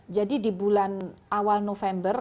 jadi di bulan awal november